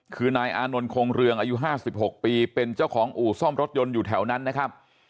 คือนายอานนท์คงเรืองอายุ๕๖ปีเป็นเจ้าของอู่ซ่อมรถยนต์อยู่แถวนั้นนะครับ